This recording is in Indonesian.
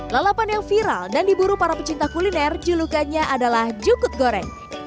lalapan yang viral dan diburu para pecinta kuliner julukannya adalah jukut goreng